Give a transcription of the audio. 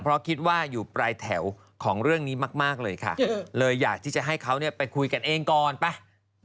เพราะคิดว่าอยู่ปลายแถวของเรื่องนี้มากเลยค่ะเลยอยากที่จะให้เขาไปคุยกันเองก่อนไป